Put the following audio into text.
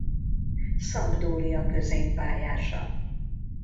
Sampdoria középpályása.